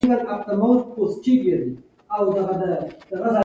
سهار د مینې څرک دی.